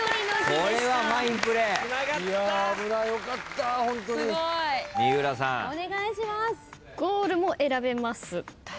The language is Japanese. ゴールも選べます。